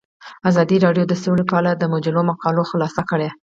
ازادي راډیو د سوله په اړه د مجلو مقالو خلاصه کړې.